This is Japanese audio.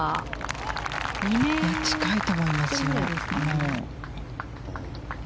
近いと思います。